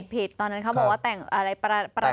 ผิดตอนนั้นเขาบอกว่าแต่งอะไรประดับ